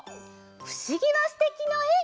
「ふしぎはすてき」のえ。